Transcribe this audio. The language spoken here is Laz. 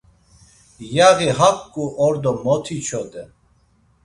Yaği haǩu ordo mot içoden?